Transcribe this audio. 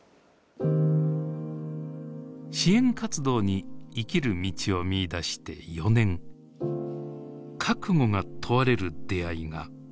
支援活動に生きる道を見いだして４年覚悟が問われる出会いがありました。